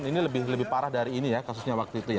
ini lebih parah dari ini ya kasusnya waktu itu ya